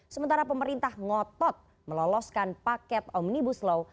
sementara pemerintah ngotot meloloskan paket omnibus law